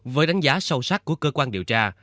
với đánh giá sâu sắc của cơ quan điều tra